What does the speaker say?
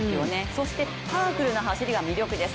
そしてパワフルな走りが魅力です。